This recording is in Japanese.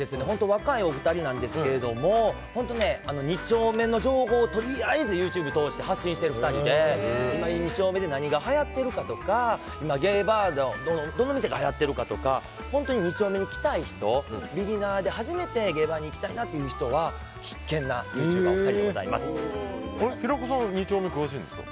若いお二人なんですが本当に２丁目の情報をとりあえずＹｏｕＴｕｂｅを通して発信してる２人で今、２丁目で何がはやってるかとか今ゲイバーがどの店がはやってるかとか本当に２丁目に来たい人ビギナーで初めてゲイバーに行きたいなという人は必見な平子さん２丁目詳しいんですか？